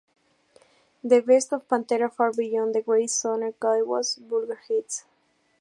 The Best of Pantera: Far Beyond the Great Southern Cowboys 'Vulgar Hits!